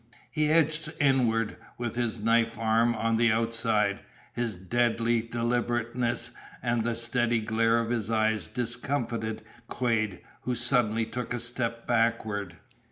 He edged inward, with his knife arm on the outside. His deadly deliberateness and the steady glare of his eyes discomfited Quade, who suddenly took a step backward.